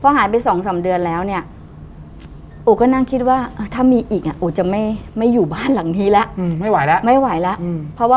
พอหายไปสองสามเดือนแล้วเนี่ยโอ๊ะก็นั่งคิดว่าถ้ามีอีกอ่ะโอ๊ะจะไม่อยู่บ้านหลังนี้แล้ว